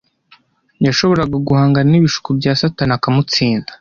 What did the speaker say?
yashoboraga guhangana n’ibishuko bya Satani akamutsinda.